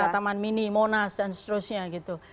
taman mini monas dan seterusnya gitu